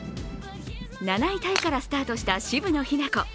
７位タイからスタートした渋野日向子。